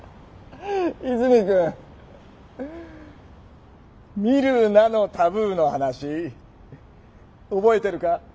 泉くん「見るなのタブー」の話覚えてるか。